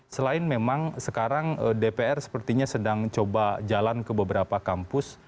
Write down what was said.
selain memang sekarang dpr sepertinya sedang coba jalan ke beberapa kampus